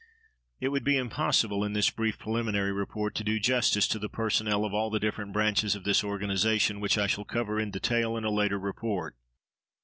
It would be impossible in this brief preliminary report to do justice to the personnel of all the different branches of this organization, which I shall cover in detail in a later report.